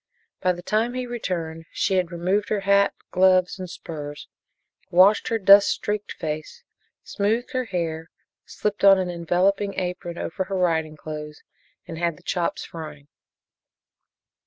By the time he returned she had removed her hat, gloves and spurs, washed her dust streaked face, smoothed her hair, slipped on an enveloping apron over her riding clothes and had the chops frying.